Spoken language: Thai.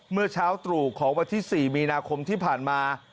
เมื่อเช้าตรู่ของวันที่๔มีนาคมที่ผ่านมา